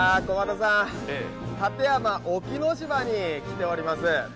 駒田さん、館山・沖ノ島に来ております。